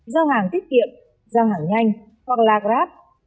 giao hàng tiết kiệm giao hàng nhanh hoặc lag rát